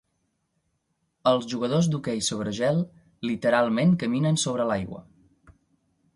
Els jugadors d'hoquei sobre gel literalment caminen sobre l'aigua.